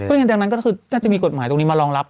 เพราะฉะนั้นดังนั้นก็คือน่าจะมีกฎหมายตรงนี้มารองรับ